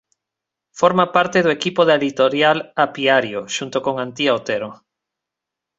Forma parte do equipo da Editorial Apiario xunto con Antía Otero.